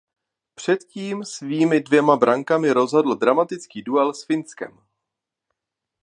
Předtím svými dvěma brankami rozhodl dramatický duel s Finskem.